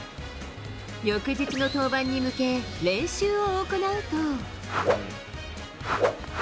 翌日の登板に向け、練習を行うと。